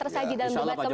presiden yang berbicara